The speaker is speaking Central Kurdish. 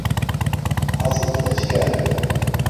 حەزت لە چ کارێکە؟